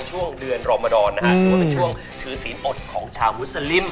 ช่วงเดือนรมดารช่วงถือศีลอดของชาวฮุดสลิม